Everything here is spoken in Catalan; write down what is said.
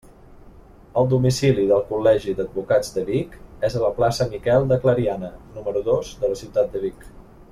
El domicili del Col·legi d'Advocats de Vic és a la plaça Miquel de Clariana, número dos, de la ciutat de Vic.